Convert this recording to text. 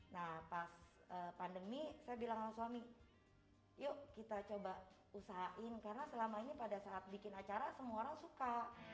nah pas pandemi saya bilang sama suami yuk kita coba usahain karena selama ini pada saat bikin acara semua orang suka